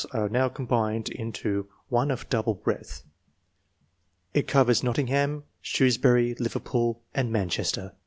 21 now combined into one of double breadth ; it covers Nottingham, Shrewsbury, Liverpool, and Manchester.